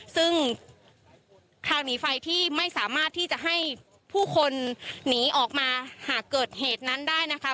ซึ่งคราวนี้ไฟที่ไม่สามารถที่จะให้ผู้คนหนีออกมาหากเกิดเหตุนั้นได้นะคะ